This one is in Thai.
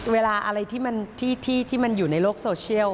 เวลาอะไรที่มันอยู่ในโลกโซเชียล